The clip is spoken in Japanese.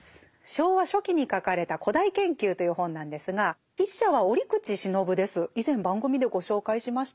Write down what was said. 昭和初期に書かれた「古代研究」という本なんですが筆者は折口信夫です。